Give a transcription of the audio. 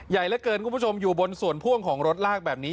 ใหญ่เหลือเกินคุณผู้ชมอยู่บนส่วนพ่วงของรถลากแบบนี้